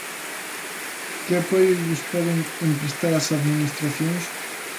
Que apoio lles poden emprestar as administracións?